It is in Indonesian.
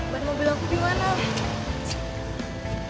ban mobil aku di mana